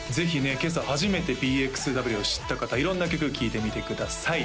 今朝初めてＢＸＷを知った方色んな曲聴いてみてください